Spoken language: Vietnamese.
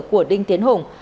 của đinh tiến hùng